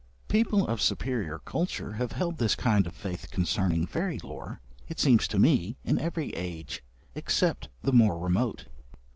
People of superior culture have held this kind of faith concerning fairy lore, it seems to me, in every age, except the more remote.